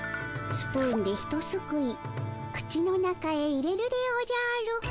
スプーンでひとすくい口の中へ入れるでおじゃる。